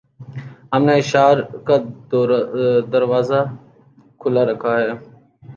ہم نے اشعار کا دروازہ کھُلا رکھا ہے